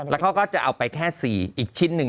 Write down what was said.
แล้วเขาก็จะเอาไปแค่๔อีกชิ้นหนึ่ง